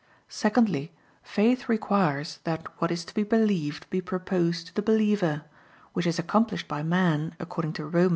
Secondly, faith requires that what is to be believed be proposed to the believer; which is accomplished by man, according to Rom.